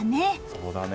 そうだね。